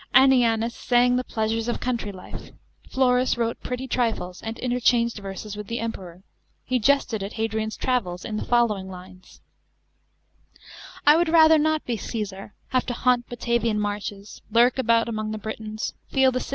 ANNIANUS sang the pleasures of country life. FLORUS wrote pretty trifles, and interchanged verses with the Emperor. He jested at Hadran's travels in the following lines : f " I would rather not be Caesar, Have to haunt Batavian marshes, Lurk about among the Britons, Feel the Scythian frosts assail me."